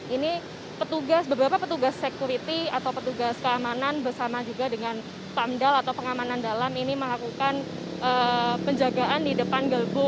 ini beberapa petugas security atau petugas keamanan bersama juga dengan pamdal atau pengamanan dalam ini melakukan penjagaan di depan gelbu